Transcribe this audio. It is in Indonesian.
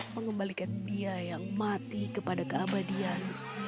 mengembalikan biaya yang mati kepada keabadian